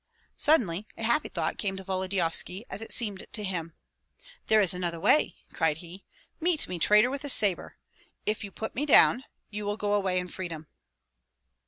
Suddenly a happy thought came to Volodyovski, as it seemed to him. "There is another way!" cried he. "Meet me, traitor, with a sabre. If you put me down, you will go away in freedom."